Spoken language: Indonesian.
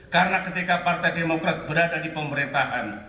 karena ketika partai demokrat berada di pemerintahan